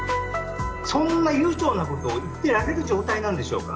そんな悠長なことを言ってられる状態なんでしょうか。